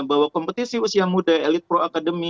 bahwa kompetisi usia muda elit pro academy